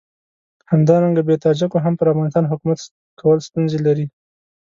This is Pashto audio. همدارنګه بې تاجکو هم پر افغانستان حکومت کول ستونزې لري.